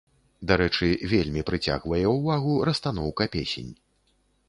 Дарэчы, вельмі прыцягвае ўвагу расстаноўка песень.